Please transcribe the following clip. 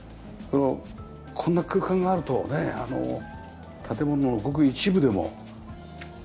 こんな空間があるとねあの建物のごく一部でも。